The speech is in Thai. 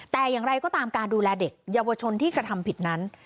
แต่อย่างไรก็ตามการดูแลเด็กเยาวชนที่กระทำผิดนั้น